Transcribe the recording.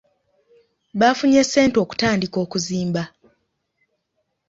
Baafunye ssente okutandika okuzimba.